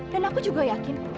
dan aku juga yakin